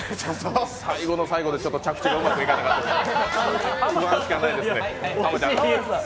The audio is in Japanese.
最後の最後で着地がうまくいかなかった、浜ちゃん。